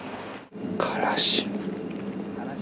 からし。